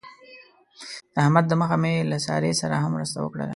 د احمد د مخه مې له سارې سره هم مرسته وکړله.